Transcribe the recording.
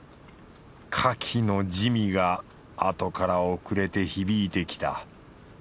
カキの滋味があとから遅れて響いてきた。